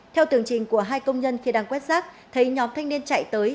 theo tường trình của hai công nhân khi đang quét rác thấy nhóm thanh niên chạy tới